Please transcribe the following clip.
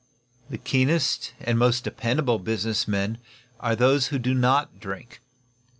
The keenest and most dependable business men are those who do not drink.